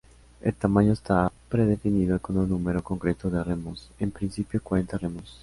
El tamaño está predefinido con un número concreto de remos, en principio cuarenta remos.